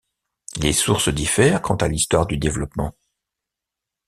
Les sources diffèrent quant à l'histoire du développement.